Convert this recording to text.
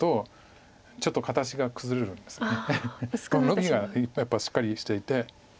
ノビがやっぱりしっかりしていて。